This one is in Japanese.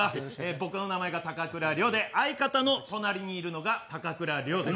僕の名前が高倉陵で相方の隣にいるのが高倉陵です。